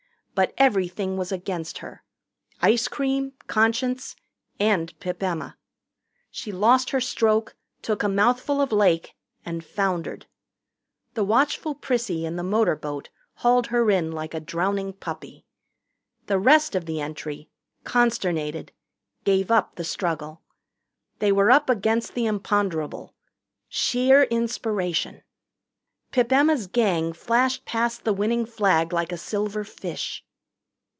But everything was against her ice cream, conscience, and Pip Emma. She lost her stroke, took a mouthful of lake, and foundered. The watchful Prissy in the motorboat hauled her in like a drowning puppy. The rest of the entry, consternated, gave up the struggle. They were up against the imponderable sheer inspiration. Pip Emma's Gang flashed past the winning flag like a silver fish.